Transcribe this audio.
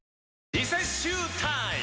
リセッシュータイム！